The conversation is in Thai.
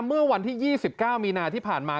เมื่อวันที่๒๙มีนาที่ผ่านมา